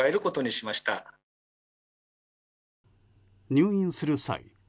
入院する際